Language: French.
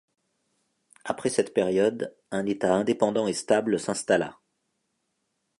Après cette période, un état indépendant et stable s'installa.